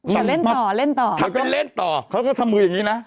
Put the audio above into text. แล้วเล่นต่อเขาก็ทำมืออย่างนี้นะ